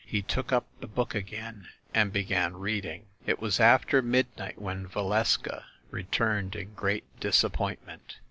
He took up the book again and be gan reading. It was after midnight when Valeska returned in great disappointment.